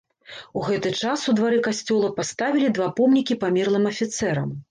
У гэты час у двары касцёла паставілі два помнікі памерлым афіцэрам.